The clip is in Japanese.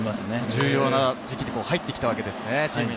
重要な時期に入ってきたんですね。